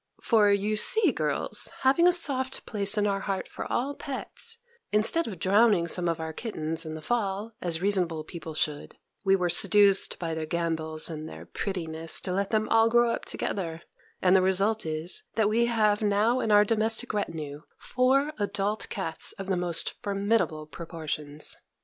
For you see, girls, having a soft place in our heart for all pets, instead of drowning some of our kittens in the fall, as reasonable people should, we were seduced by their gambols and their prettiness to let them all grow up together; and the result is, that we have now in our domestic retinue four adult cats of most formidable proportions.